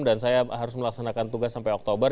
dan saya harus melaksanakan tugas sampai oktober